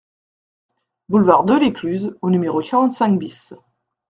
Boulevard Delescluze au numéro quarante-cinq BIS